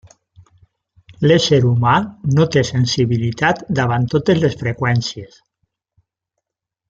L'ésser humà no té sensibilitat davant totes les freqüències.